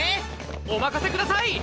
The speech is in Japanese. おまかせください！